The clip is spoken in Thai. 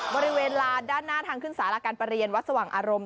บริเวณลานด้านหน้าทางขึ้นสารการประเรียนวัดสว่างอารมณ์